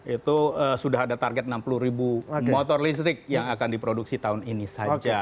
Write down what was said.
itu sudah ada target enam puluh ribu motor listrik yang akan diproduksi tahun ini saja